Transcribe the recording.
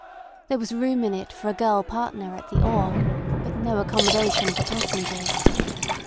There was room in it for a girl partner at the oar, but no accommodation for passengers.